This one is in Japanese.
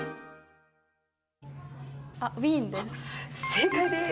あ、ウィーンです。